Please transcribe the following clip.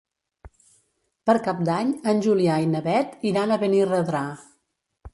Per Cap d'Any en Julià i na Beth iran a Benirredrà.